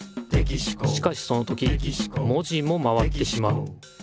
しかしその時文字も回ってしまう。